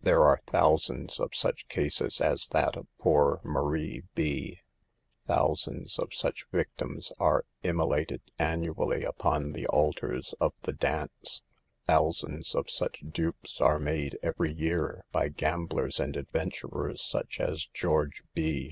There are thousands of such cases as that of poor Marie B ; thousands of such victims are immolated annually upon the altar of the dance ; thousands of such dupes are made every year by gamblers and adven turers such as George B